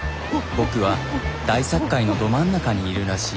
僕は大殺界のど真ん中にいるらしい。